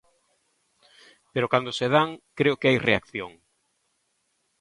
Pero cando se dan, creo que hai reacción.